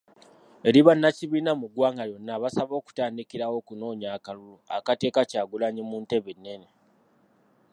Eri bannakibiina mu ggwanga lyonna abasaba okutandikirawo okunoonya akalulu akateeka Kyagulanyi mu ntebe ennene.